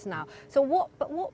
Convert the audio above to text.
jadi apa yang anda buat